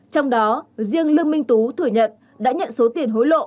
trong đó riêng lương minh tú thủy nhật đã nhận số tiền hối lộ